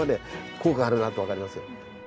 効果あるなってわかりますよ。